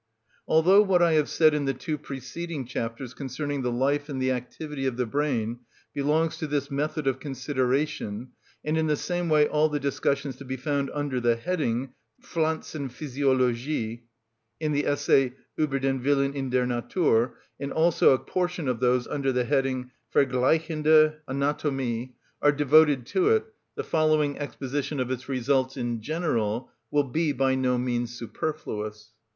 Although what I have said in the two preceding chapters concerning the life and the activity of the brain belongs to this method of consideration, and in the same way all the discussions to be found under the heading, "Pflanzenphysiologie," in the essay, "Ueber den Willen in der Natur," and also a portion of those under the heading "Vergleichende Anatomie," are devoted to it, the following exposition of its results in general will be by no means superfluous.